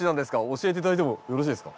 教えて頂いてもよろしいですか。